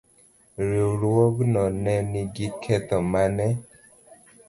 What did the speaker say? Riwruog no ne nigi ketho mane?